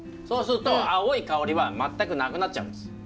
そうすると青い香りは全くなくなっちゃうんです。